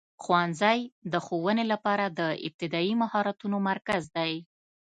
ښوونځی د ښوونې لپاره د ابتدایي مهارتونو مرکز دی.